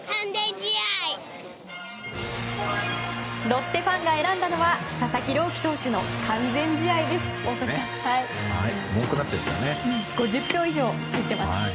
ロッテファンが選んだのは佐々木朗希選手の完全試合です文句なしですよね。